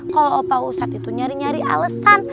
kalau opa ustad itu nyari nyari alesan